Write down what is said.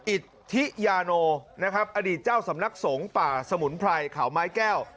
อิทธิยาโนนะครับอดีตเจ้าสำนักสงฆ์ป่าสมุนไพรเขาไม้แก้ว